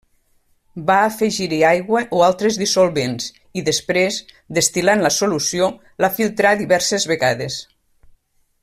Va afegir-hi aigua o altres dissolvents i després, destil·lant la solució, la filtrà diverses vegades.